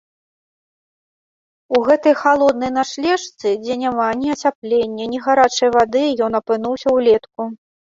У гэтай халоднай начлежцы, дзе няма ні ацяплення, ні гарачай вады, ён апынуўся ўлетку.